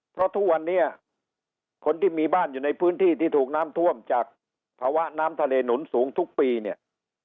เพราะทุกวันนี้คนที่มีบ้านอยู่ในพื้นที่ที่ถูกน้ำท่วมจากภาวะน้ำทะเลหนุนสูงทุกปีเนี่ย